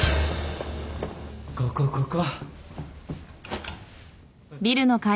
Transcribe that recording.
ここここ。